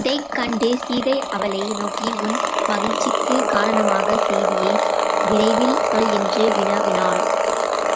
இதைக் கண்ட சீதை, அவளை நோக்கி, உன் மகிழ்ச்சிக்குக் காரணமான செய்தியை விரைவில் சொல் என்று வினவினாள்.